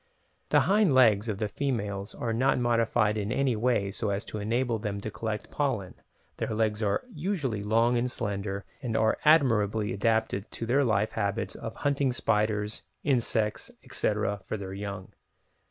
The hind legs of the females are not modified in any way so as to enable them to collect pollen, their legs are usually long and slender, and they are admirably adapted to their life habits of hunting spiders, insects, etc., for their young.